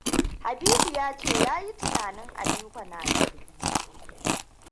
Habibu ta ce ta yi tunanin Aliko na zargi.